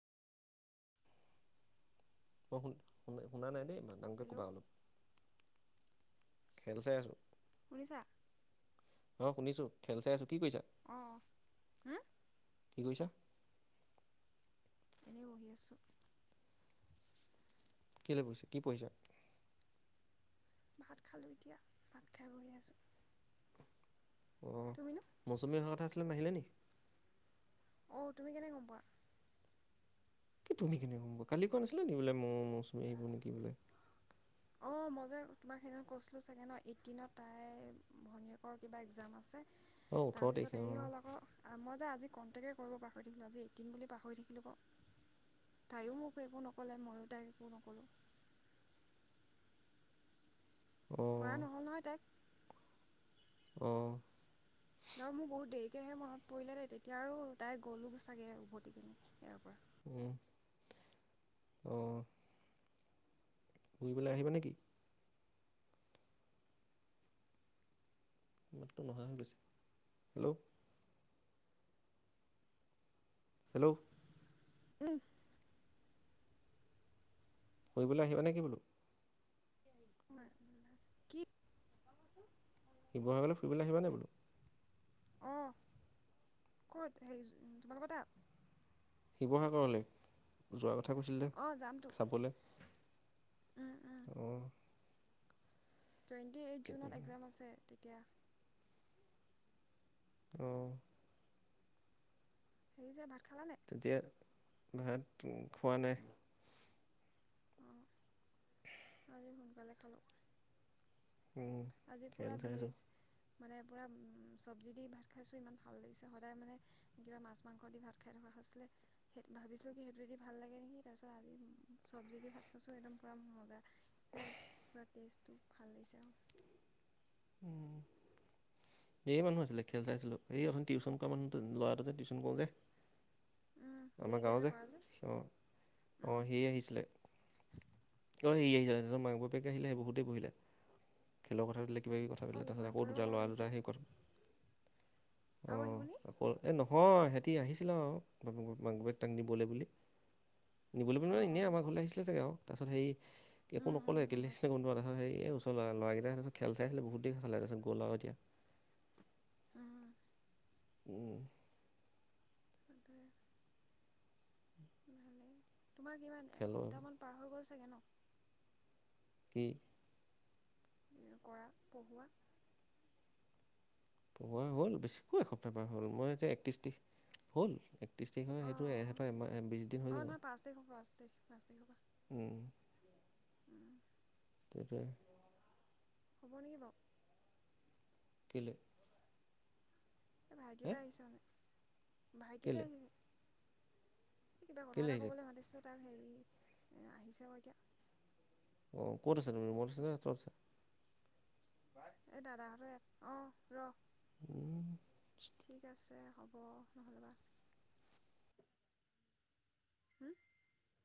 মই শুন-শুনা-শুনানাই দেই ইমান। ডাঙৰকে হেল্ল' ক'বা অলপ। খেল চাই আছো। শুনিছা। অ শুনিছো খেল চাই আছো কি কৈছা অঁ অঁ কি কৈছা এনেই বঢ়ি আছোঁ কেলে পঢ়িছা কি পঢ়িছা ভাত খালোঁ এতিয়া ভাত খাই বঢ়ি আছোঁ অ তুমিনো মৌচুমী অহা কথা আছিল মোৰ নাম নাহিলে নেকি অঁ তুমি কেনেকে গম পোৱা কি তুমি কেনে কালি কোৱা নাছিলাে বোলে মৌ মৌচুমী আহিব নেকি বোলে অ মই যে তোমাক সেইদিনা কৈছিলো চাগে ন এইটিনত তাই ভনীয়েকৰ কিবা একযাম আছে অ ওঠৰ তাৰপিছত তাৰিখে অ হেৰি হ'ল আকৌ মই যে আজি কনটেকে মই য়ো পাহৰি থাকিলোঁ আজি এটিন বুলি পাহৰি থাকিলোঁ বাৰু তাইয়ো মোক একো নক'লে ময়ো তাই একো নকলোঁ অ কোৱা নহ'ল নহয় তাইক অঁ অ মোৰ বহুত দেৰিকে আহে মনত পৰিলে দে তেতিয়া আৰু তাই গ'লো চাগৈ উভতি কিনে ইয়াৰ পৰা হে অ' এইবেলা আহিবা নেকি মহা হেন পাইছোঁ হেল্ল' হেল্ল'। উম। ফুৰিবলৈ আহিবা নেকি বোলো? কি? শিৱসাগৰলে ফুৰিবলে আহিবানে বোলো? অ', ক'ত হেই তোমালোকৰ তাত? শিৱসাগৰলে, যোৱা ক কথা কৈছিলে যে, অঁ যামতো চাবলে অ'। উম উম টুৱেণ্টি এইট জুনত একযাম আছে। তিয়া অ'। সেই যে ভাত খালানে তেতিয়া ভাত‌ উ, খোৱা নাই। অঁ আজি সোনকালে খালো। ‌উম, খেল চাই আছো। মানে পুৰা উম, চব্জি দি ভাত খাইছো, ইমান ভাল লাগিছে, সদায় মানে কিবা মাছ-মাংস দি ভাত খাই থকা হৈছিলে, সেট ভাবিছো কি সেইটো যদি ভাল লাগে নেকি তাৰপিছত আজি উম, চব্জি দি ভাত খাইছো, একদম পূৰা মজা এ পুৰা টেস্ট তোক ভাল লাগিছে অ'। উম। ধেৰ মানুহ আছিলে, খেল চাই আছিলোঁ। এই, অথনি টিউচন কৰা মানুহটো, ল'ৰাটো যে, টিউচন কৰোঁ যে। উম আমাৰ দেৰিকৈ গাওঁৰ যে, কৰা অ'। উম অ', সি আহিছিলে। অ, সি আহিছিলে তাৰপিছত মাক-বাপেক আহিলে, বহুত দেৰি বহিলে। খেলৰ কথা সুধিলে কিবাকিবি কথা অঁ পাতিলে। তাৰপিছত মাক আকৌ বাপেকৰ দুটা, লগত ল'ৰা দুটা আহিছিলে আহি কথ, আৰু অ', আহিবনি আকৌ, এ নহয় সেট তি আহিছিলা আৰু বাপেকৰ মাক-বাপেক তাক নিবলে বুলি! নিবলে বুলি মানে অঁ এনে অঁ আমাৰ ঘৰলে আহিছিলে চাগে আৰু তাৰপিছত সেই একো উম নক'লে উম গম কেলেই আহিছিলে পাইছোঁ [unintelligible] এই ওচ ল'ৰা, ল'ৰাকেইটাই পিছত খেল চাই আছিলে, বহুত দেৰি চালে। তাৰপিছত গ'ল আৰু এতিয়া। উম উম। [inaudible] ভালে তোমাৰ কিমান, খেলৰ এসপ্তাহ মান পাৰ হৈ গৈছ [unintelligible] ন? কি? এয়া কৰা, পঢ়োৱা? পঢ়োৱা হ'ল, বেছি ক'ত এসপ্তাহৰ পৰা হ'ল? মই আজি একত্ৰিশ তাৰিখ, হ'ল, এক ত্ৰিছ তাৰিখৰ অঁ সেইটো, অঁ এহঁতৰ এমাহ, এ, বিছ দিন হৈ অঁ যাব। নহয় পাঁচ তাৰিখৰ পৰা পাঁচ তাৰিখ পাঁচ তাৰিখৰ উম। পৰা সেইটোৱে। হ'ব নেকি বাৰু। কেলে? এ ভাইটি হে এটা আহিছে মানে। ভাইটি এটা কেলে অহিছে। এ কিবা কথা কেলে এটা আহিছে ক'বলে মাতিছিলো। তাক হেৰি, আহিছে আকৌ এতিয়া অ', ক'ত আছে নো ৰুমত আছেনে তলত আছে? এ দাদাহঁতৰে, অ', ৰ'। উম। ঠিক আছে। হ'ব নহ'লেবা, উম।